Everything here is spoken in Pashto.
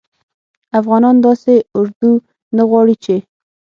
افغانان داسي اردو نه غواړي چې